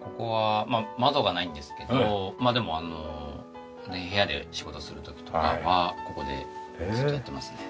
ここは窓がないんですけどでも部屋で仕事する時とかはここでずっとやってますね。